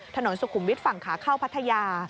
ถนนสุขุมวิทย์ฝั่งขาเข้าพัทยา